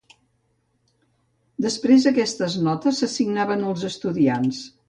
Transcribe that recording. Després aquestes notes s'assignaven als estudiants.